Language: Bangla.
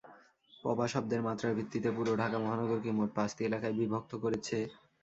পবা শব্দের মাত্রার ভিত্তিতে পুরো ঢাকা মহানগরকে মোট পাঁচটি এলাকায় বিভক্ত করেছে।